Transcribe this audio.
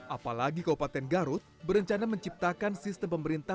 apalagi kabupaten garut berencana menciptakan sistem pemerintah